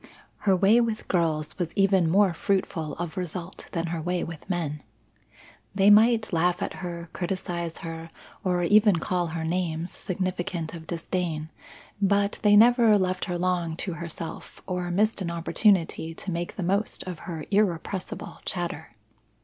Her way with girls was even more fruitful of result than her way with men. They might laugh at her, criticize her or even call her names significant of disdain, but they never left her long to herself or missed an opportunity to make the most of her irrepressible chatter.